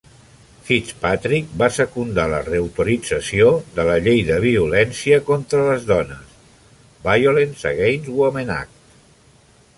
Fitzpatrick va secundar la reautorització de la Llei de violència contra les dones (Violence Against Women Act).